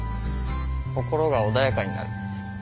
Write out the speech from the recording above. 心が穏やかになる。